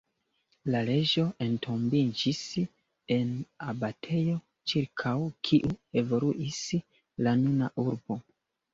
La reĝo entombiĝis en abatejo ĉirkaŭ kiu evoluis la nuna urbo.